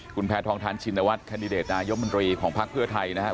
คุณแพทองทานชินวัฒน์แคนดิเดตนายมนตรีของพักเพื่อไทยนะครับ